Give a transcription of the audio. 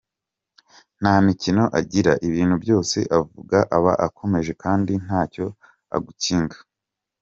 Nta mikino agira ibintu byose avuga aba akomeje kandi ntacyo agukinga.